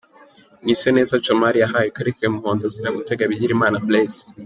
Mwiseneza Djamal yahawe ikarita y'umuhondo azira gutega Bigirimana Blaise.